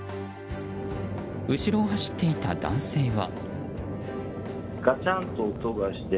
後ろを走っていた男性は。